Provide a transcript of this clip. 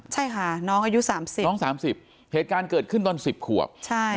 ใช่ค่ะน้องอายุ๓๐น้อง๓๐เหตุการณ์เกิดขึ้นตอน๑๐ขวบ